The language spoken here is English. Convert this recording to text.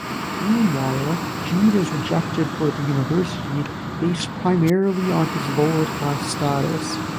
Meanwhile, Jude is rejected for the university based primarily on his lower-class status.